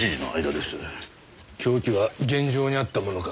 凶器は現場にあったものか。